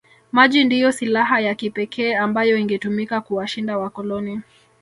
Maji ndiyo silaha ya kipekee ambayo ingetumika kuwashinda wakoloni